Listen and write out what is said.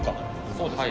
そうですね。